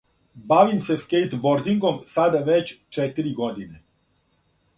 Бавим се скејтбордингом сада већ четири године.